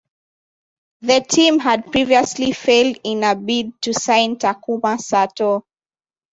The team had previously failed in a bid to sign Takuma Sato.